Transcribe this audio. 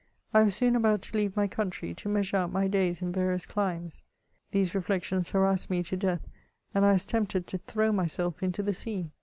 I was soon about to leave my country, to measure out my days in various climes. These reflections harassed me to death, and I was tempted to throw myself into the sea.